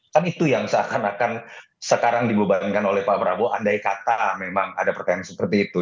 kan itu yang seakan akan sekarang dibebankan oleh pak prabowo andai kata memang ada pertanyaan seperti itu